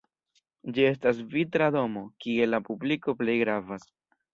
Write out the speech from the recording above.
Ĝi estas vitra domo, kie la publiko plej gravas.